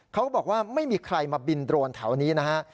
เขาบอกว่าไม่มีใครมาบินโดรนแถวนี้นะฮะ